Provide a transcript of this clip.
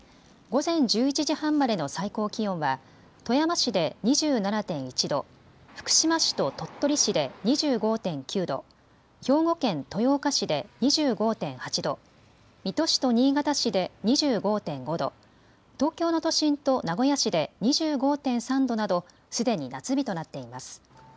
午前１１時半までの最高気温は富山市で２７．１度、福島市と鳥取市で２５．９度、兵庫県豊岡市で２５．８度、水戸市と新潟市で２５．５度、東京の都心と名古屋市で２５．３度などすでに夏日となっています。